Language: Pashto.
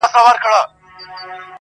نه بارونه وړي نه بل څه ته په کار دی.